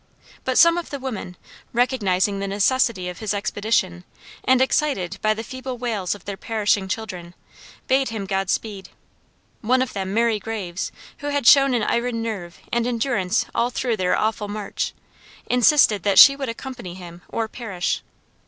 But some of the women, recognizing the necessity of his expedition, and excited by the feeble wails of their perishing children, bade him God speed. One of them, Mary Graves, who had shown an iron nerve and endurance all through their awful march, insisted that she would accompany him or perish.